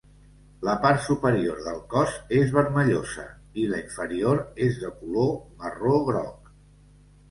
La part superior del cos és vermellosa i la inferior és de color marró-groc.